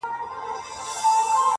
• چي تر پامه دي جهان جانان جانان سي,